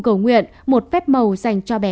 cầu nguyện một phép màu dành cho bé